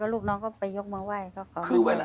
ลูกน้องก็ไปยกมาไหว้